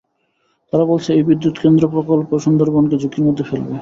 তারা বলছে, এই বিদ্যুৎকেন্দ্র প্রকল্প সুন্দরবনকে ঝুঁকির মধ্যে ফেলবে।